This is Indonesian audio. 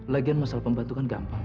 lagian masalah pembantu kan gampang